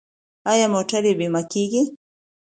آیا موټرې بیمه کیږي؟